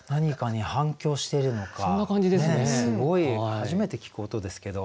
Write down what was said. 初めて聞く音ですけど。